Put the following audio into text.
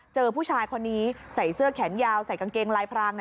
เจอผู้ชายคนนี้ใส่เสื้อแขนยาวใส่กางเกงลายพราง